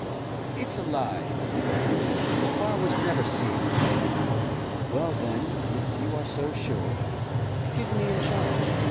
"It's a lie!" he cried; "Kaffar was never seen." "Well, then, if you are so sure, give me in charge.